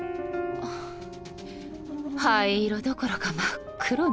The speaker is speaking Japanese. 灰色どころか真っ黒ね。